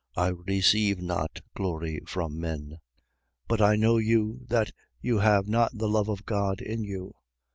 5:41. I receive not glory from men. 5:42. But I know you, that you have not the love of God in you.